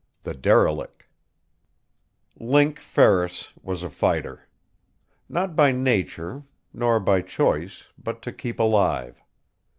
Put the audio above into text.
The Derelict Link Ferris was a fighter. Not by nature, nor by choice, but to keep alive.